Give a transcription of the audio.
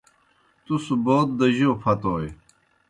تُس بوت دہ جو پھتوئے؟